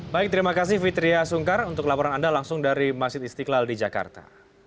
baik terima kasih fitriah sungkar untuk laporan anda langsung dari masjid istiqlal di jakarta